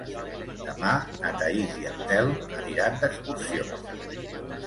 Demà na Thaís i en Telm aniran d'excursió.